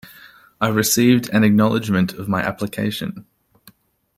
I received an acknowledgement of my application.